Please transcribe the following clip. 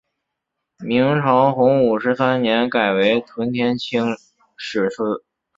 明朝洪武十三年改为屯田清吏司。